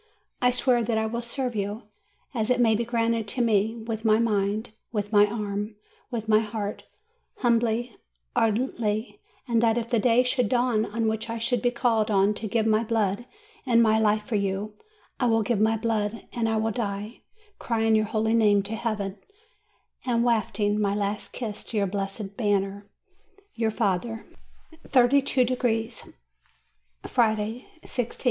I swear that I will serve you, as it may be granted to me, with my mind, with my arm, with my heart, humbly, ardently; and that, if the day should dawn in which I should be called on to give my blood and my life for you, I will give my blood, and I will die, crying your holy name to heaven, and wafting my last kiss to your blessed banner." YOUR FATHER. THIRTY TWO DEGREES Friday, i6th.